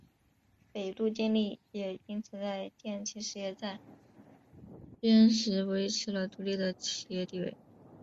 北陆电力也因此在电气事业再编时维持了独立的企业地位。